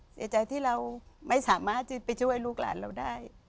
เสียใจที่เราไม่สามารถจะไปช่วยลูกหลานเราได้